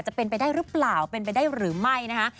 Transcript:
จะเป็นไปได้หรือเปล่าเป็นไปได้หรือไม่นะคะ